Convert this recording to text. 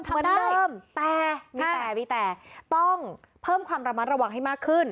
เหมือนเดิมแต่มีแต่มีแต่ต้องเพิ่มความระมัดระวังให้มากขึ้น